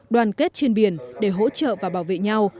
đoàn kết trên biển để hỗ trợ và bảo vệ nhau